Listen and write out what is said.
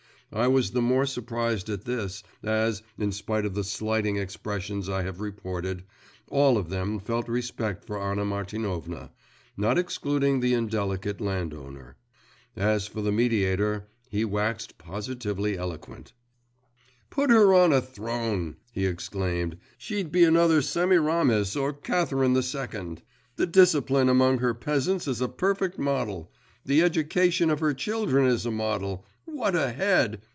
I was the more surprised at this, as, in spite of the slighting expressions I have reported, all of them felt respect for Anna Martinovna, not excluding the indelicate landowner. As for the mediator, he waxed positively eloquent. 'Put her on a throne,' he exclaimed, 'she'd be another Semiramis or Catherine the Second! The discipline among her peasants is a perfect model.… The education of her children is model! What a head!